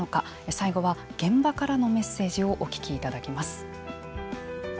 最後は現場からのメッセージをお聞きいただきます。